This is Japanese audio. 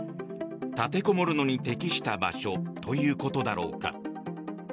立てこもるのに適した場所ということだろうか。